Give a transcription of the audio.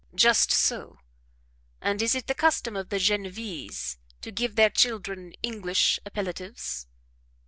"Just so; and is it the custom of the Genevese to give their children English appellatives?"